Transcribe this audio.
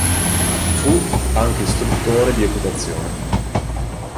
Fu anche istruttore di equitazione.